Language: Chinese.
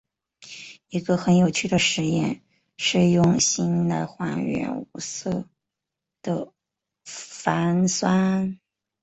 一个很有趣的试验是用锌来还原无色的钒酸铵。